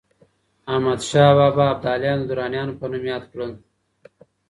احمدشاه بابا ابداليان د درانیانو په نوم ياد کړل.